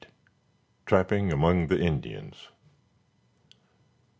TRAPPING AMONG THE INDIANS.